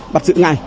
bắt giữ ngay